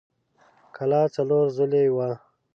کلا څلور ضلعۍ وه.